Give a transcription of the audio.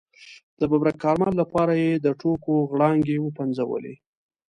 د ببرک کارمل لپاره یې د ټوکو غړانګې وپنځولې.